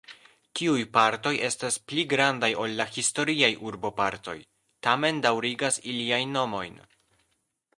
Tiuj partoj estas pli grandaj ol la historiaj urbopartoj, tamen daŭrigas iliajn nomojn.